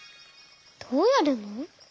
どうやるの？